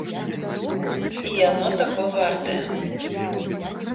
І яно таго вартае.